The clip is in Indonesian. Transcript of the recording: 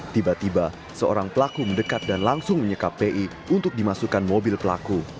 tiba tiba seorang pelaku mendekat dan langsung menyekap pi untuk dimasukkan mobil pelaku